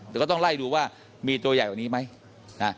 เดี๋ยวก็ต้องไล่ดูว่ามีตัวใหญ่กว่านี้ไหม